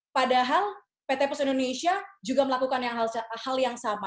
padahal pt pos indonesia juga melakukan hal yang sama